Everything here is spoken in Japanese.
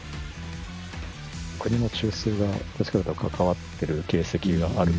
国の中枢が統一教会と関わってる形跡がある。